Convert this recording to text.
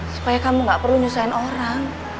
supaya kamu gak perlu nyusahin orang